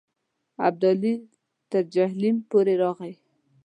ابدالي تر جیهلم پورې راغی.